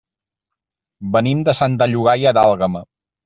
Venim de Santa Llogaia d'Àlguema.